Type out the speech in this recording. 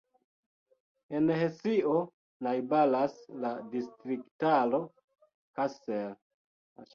En Hesio najbaras la distriktaro Kassel.